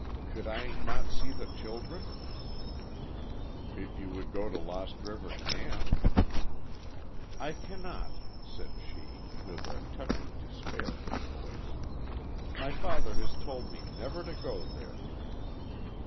"Could I not see the children?" "If you would go to Lost River camp." "I cannot," said she, with a touch of despair in her voice. "My father has told me never to go there."